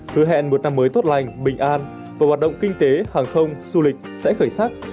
hứa hẹn một năm mới tốt lành bình an và hoạt động kinh tế hàng không du lịch sẽ khởi sắc